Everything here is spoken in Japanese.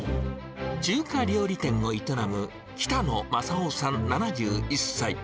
中華料理店を営む北野正夫さん７１歳。